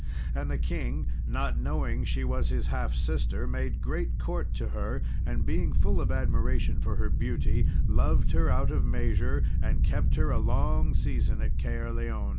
And the king, not knowing that she was his half sister, made great court to her; and being full of admiration for her beauty, loved her out of measure, and kept her a long season at Caerleon.